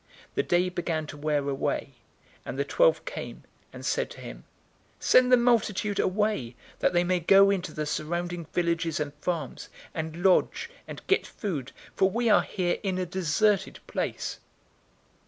009:012 The day began to wear away; and the twelve came, and said to him, "Send the multitude away, that they may go into the surrounding villages and farms, and lodge, and get food, for we are here in a deserted place."